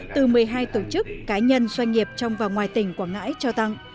từ một mươi hai tổ chức cá nhân doanh nghiệp trong và ngoài tỉnh quảng ngãi trao tăng